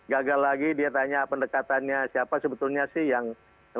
gagal lagi dia tanya pendekatannya siapa sebetulnya sih yang motor utamanya oh si ini